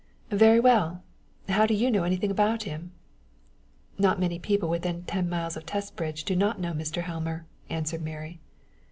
"Very well. How do you know anything of him?" "Not many people within ten miles of Testbridge do not know Mr. Helmer," answered Mary.